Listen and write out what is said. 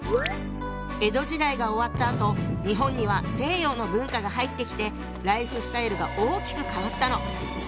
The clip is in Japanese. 江戸時代が終わったあと日本には西洋の文化が入ってきてライフスタイルが大きく変わったの。